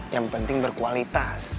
yang penting berkualitas